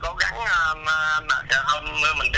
cho các đẻ khuyết mặt cho mọi người đó